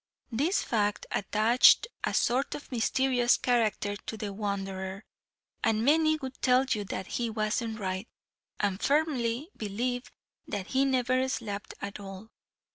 This fact attached a sort of mysterious character to the wanderer, and many would tell you that "he wasn't right," and firmly believed that he never slept at all.